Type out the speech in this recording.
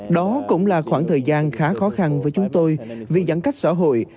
đó cũng là khoảng thời gian khá khó khăn với chúng tôi vì giãn cách xã hội